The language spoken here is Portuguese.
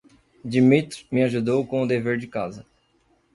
Dimitrij me ajudou com o dever de casa.